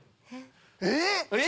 えっ⁉